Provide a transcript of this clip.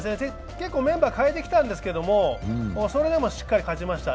結構メンバー代えてきたんですけど、それでもしっかり勝ちました。